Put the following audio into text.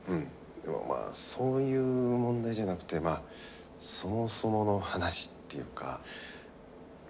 でもまあそういう問題じゃなくてそもそもの話っていうか。